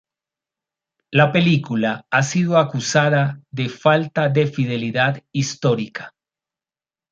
La película ha sido acusada de falta de fidelidad histórica.